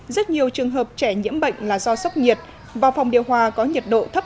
rất nhiều trường hợp trẻ nhiễm bệnh là do sốc nhiệt vào phòng tiêu hóa có nhiệt độ thấp